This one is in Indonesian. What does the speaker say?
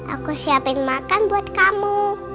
aku siapin makan buat kamu